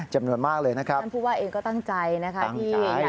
จำนวนมากเลยนะครับ